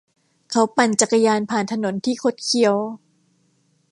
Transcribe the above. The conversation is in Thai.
เขาปั่นจักรยานผ่านถนนที่คดเคี้ยว